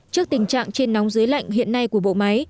trước tình trạng trên nóng dưới lạnh hiện nay của bộ máy